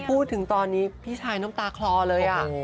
พูดถึงตอนนี้พี่ชายน้ำตาคลอเลย